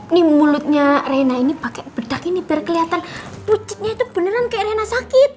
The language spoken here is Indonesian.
ini mulutnya reina ini pakai bedak ini biar kelihatan puciknya itu beneran kayak rena sakit